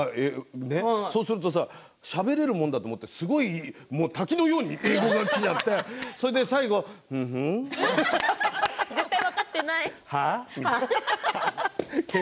そうするとしゃべれるものだと思って滝のように英語がきちゃってそれで最後は絶対分かってない。